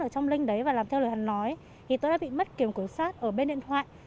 ở trong link đấy và làm theo lời hẳn nói thì tôi đã bị mất kiểm sát ở bên điện thoại